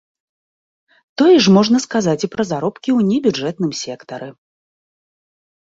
Тое ж можна сказаць і пра заробкі ў небюджэтным сектары.